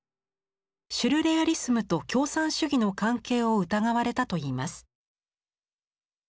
シュルレアリスムと共産主義の関係を疑われたといいます。